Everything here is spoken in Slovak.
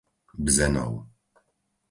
Bzenov